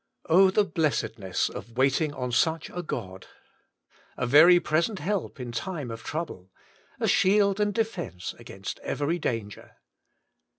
Oh, the blessedness of waiting on such a God! a very present help in every time of trouble; a shield and defence against every danger.